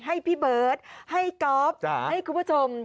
ให้พี่เบิร์ตให้ก๊อฟให้คุณผู้ชม